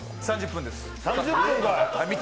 ３０分です。